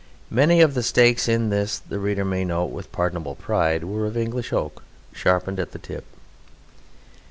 Many of the stakes in this, the reader may note with pardonable pride, were of English oak sharpened at the tip.